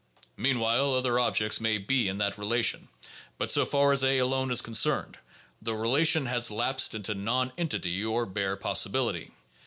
Meanwhile other objects may be in that relation ; but so far as A alone is concerned, the rela tion has lapsed into nonentity or bare possibility.